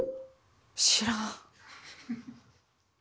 知らん。